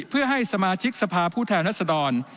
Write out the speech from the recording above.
เพื่อให้สมาชิกสภาพผู้แทนรัศดร